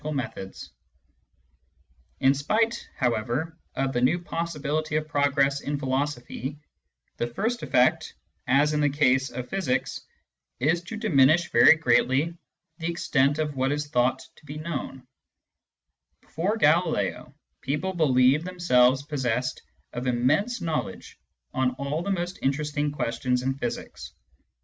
I Digitized by Google 240 SCIENTIFIC METHOD IN PHILOSOPHY In spite, however, of the new possibility of progress in philosophy, the first effect, as in the case of physics, is to diminish very greatly the extent of what is thought to be known. Before Galileo, people believed themselves possessed of immense knowledge on all the most interest ing questions in physics.